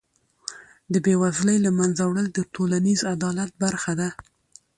د بېوزلۍ له منځه وړل د ټولنیز عدالت برخه ده.